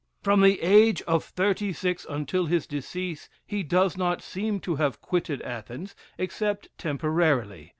From the age of thirty six until his decease, he does not seem to have quitted Athens, except temporarily.